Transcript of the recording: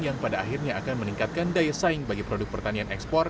yang pada akhirnya akan meningkatkan daya saing bagi produk pertanian ekspor